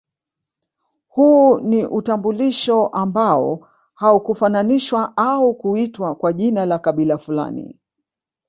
Huu ni utambulisho ambao haukufananishwa ama kuitwa kwa jina la kabila fulani